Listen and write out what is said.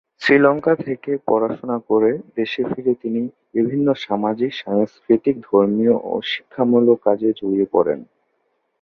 শ্রীলঙ্কা থেকে পড়াশুনা করে দেশে ফিরে তিনি বিভিন্ন সামাজিক, সাংস্কৃতিক, ধর্মীয় ও শিক্ষামূলক কাজে জড়িয়ে পড়েন।